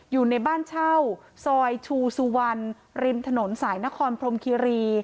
อยู่ในบ้านเช่าซอยชูสุวรรณริมถนนสายนครพรมคิรี